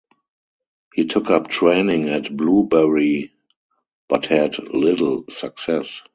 He took up training at Blewbury but had little success.